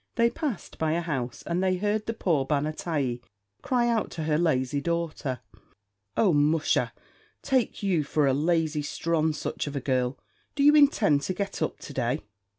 They passed by a house, and they heard the poor ban a t'yee cry out to her lazy daughter, "Oh, musha, take you for a lazy sthronsuch of a girl! do you intend to get up to day?"